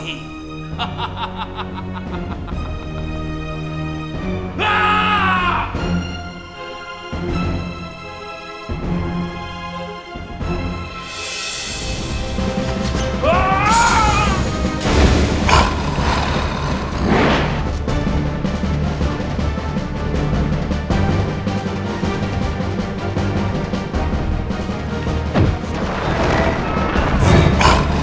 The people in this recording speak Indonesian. kau akan menang